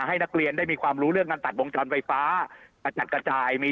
ให้นักเรียนได้มีความรู้เรื่องการตัดวงจรไฟฟ้ากระจัดกระจายมี